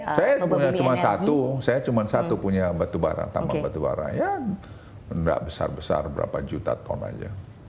saya sebenarnya cuma satu saya cuma satu punya batubara tambang batubara ya tidak besar besar berapa juta ton aja